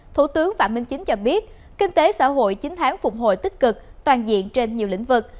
thủ tướng phạm minh chính cho biết kinh tế xã hội chín tháng phục hồi tích cực toàn diện trên nhiều lĩnh vực